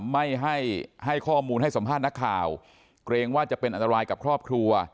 ไม่ให้ให้ข้อมูลให้สัมภาษณ์นักข่าวเกรงว่าจะเป็นอันตรายกับครอบครัว